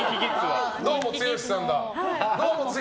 ども剛さんだ。